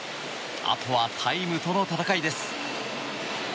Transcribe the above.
あとはタイムとの戦いです。